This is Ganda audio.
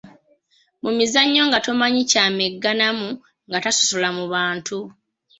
Mu mizannyo nga tomanyi ky'amegganamu, nga tasosola mu bantu.